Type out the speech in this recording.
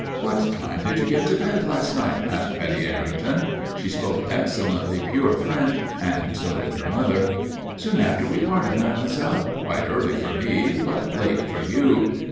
"What time did you get to bed, last night?" asked Betty Errington. She spoke excellently pure French, and so did her mother. "Soon after we parted, mademoiselle, quite early for me but late for you.